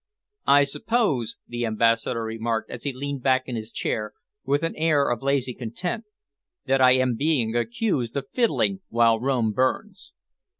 "I suppose," the Ambassador remarked, as he leaned back in his chair with an air of lazy content, "that I am being accused of fiddling while Rome burns."